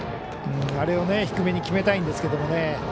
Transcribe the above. あれを低めに決めたいんですけどね。